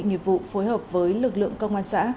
nghiệp vụ phối hợp với lực lượng công an xã